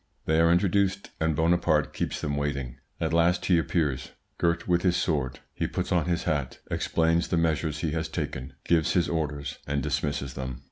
They are introduced, and Bonaparte keeps them waiting. At last he appears, girt with his sword; he puts on his hat, explains the measures he has taken, gives his orders, and dismisses them.